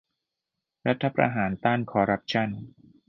รัฐประหารต้านคอรัปชั่น